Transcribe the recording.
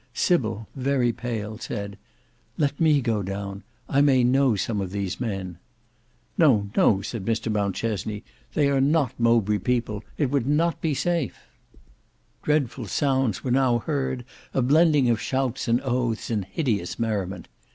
Sybil very pale said "Let me go down; I may know some of these men." "No, no," said Mr Mountchesney. "They are not Mowbray people. It would not be safe." Dreadful sounds were now heard; a blending of shouts and oaths and hideous merriment.